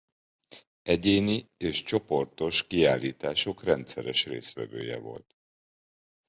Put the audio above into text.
Egyéni és csoportos kiállítások rendszeres résztvevője volt.